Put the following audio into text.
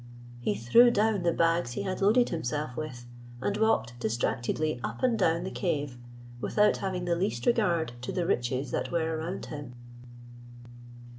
He threw down the bags he had loaded himself with, and walked distractedly up and down the cave, without having the least regard to the riches that were round him.